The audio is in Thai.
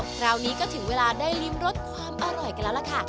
คราวนี้ก็ถึงเวลาได้ริมรสความอร่อยกันแล้วล่ะค่ะ